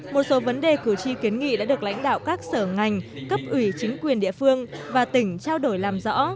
một số vấn đề cử tri kiến nghị đã được lãnh đạo các sở ngành cấp ủy chính quyền địa phương và tỉnh trao đổi làm rõ